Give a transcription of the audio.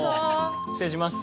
失礼します。